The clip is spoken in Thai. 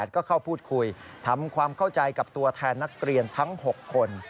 ก็เข้าพูดคุยทำความเข้าใจกับตัวแทนนักเรียนทั้ง๖คน